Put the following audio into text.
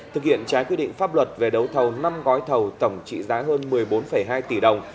thực hiện trái quy định pháp luật về đấu thầu năm gói thầu tổng trị giá hơn một mươi bốn hai tỷ đồng